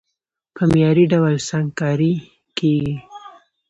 په معياري ډول سنګکاري کېږي،